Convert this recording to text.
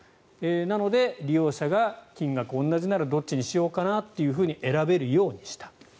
なので、利用者が金額が同じならどっちにしようかなというふうに選べるようにした。